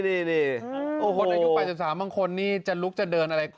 ในปัจจุศาบังคลจะลุกจะเดินอะไร